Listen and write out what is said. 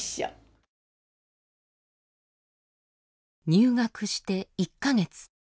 入学して１か月。